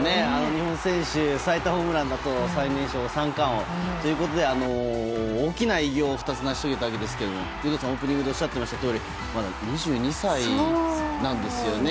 日本選手最多ホームランと最年少で三冠王ということで大きな偉業を２つ成し遂げたわけですけど有働さんがオープニングでおっしゃっていたとおりまだ２２歳なんですよね。